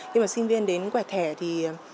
khi mà sinh viên đến quẹt thẻ thì